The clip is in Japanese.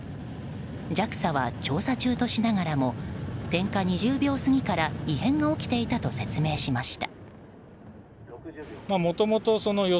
ＪＡＸＡは調査中としながらも点火２０秒過ぎから異変が起きていたと説明しました。